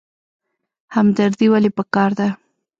همدردي ولې پکار ده؟